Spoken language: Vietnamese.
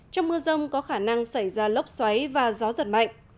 trong mưa rông có khả năng xảy ra lốc xoáy và gió giật mạnh